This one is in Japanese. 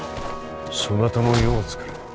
そなたの世をつくれ。